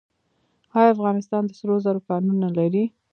آیا افغانستان د سرو زرو کانونه لري؟